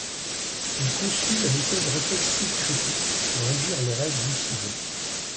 Il conçut la méthode réflexive-critique pour induire les rêves lucides.